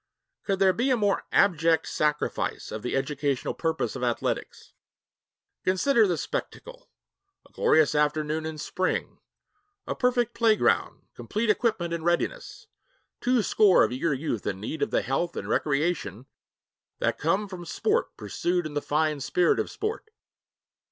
Could there be a more abject sacrifice of the educational purposes of athletics? Consider the spectacle. A glorious afternoon in spring, a perfect playground, complete equipment in readiness, two score of eager youth in need of the health and recreation that come from sport pursued in the fine spirit of sport.